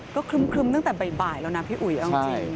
ก็ครึ้มตั้งแต่บ่ายแล้วนะพี่อุ๋ยเอาจริง